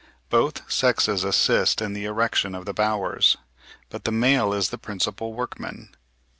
Both sexes assist in the erection of the bowers, but the male is the principal workman.